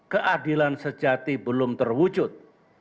keadilan sejati belum terwujud